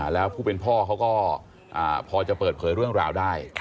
แล้วผู้เป็นพ่อเขาก็พอจะเปิดเผยเรื่องราวได้